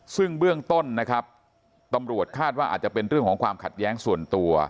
ซึ่งเบื้องต้นนะครับตำรวจคาดว่าอาจจะเป็นเรื่องของความขัดแย้งส่วนตัว